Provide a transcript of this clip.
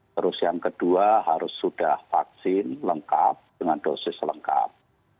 terus yang kedua harus sudah vaksin lengkap dengan dosis lengkap